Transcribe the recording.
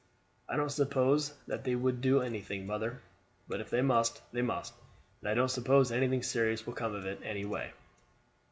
"I don't suppose that they will do anything, mother. But if they must, they must; and I don't suppose anything serious will come of it any way."